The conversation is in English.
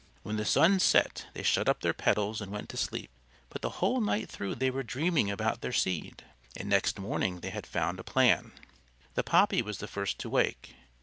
When the sun set they shut up their petals and went to sleep; but the whole night through they were dreaming about their seed, and next morning they had found a plan. The Poppy was the first to wake.